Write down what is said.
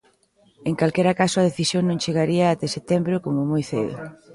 En calquera caso a decisión non chegaría até setembro como moi cedo.